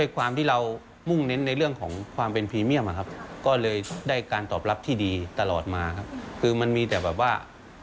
คือมันมีแต่แบบว่า